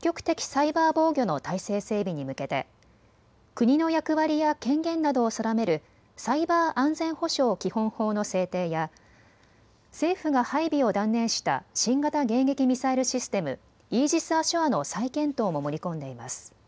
サイバー防御の体制整備に向けて国の役割や権限などを定めるサイバー安全保障基本法の制定や政府が配備を断念した新型迎撃ミサイルシステムイージス・アショアの再検討も盛り込んでいます。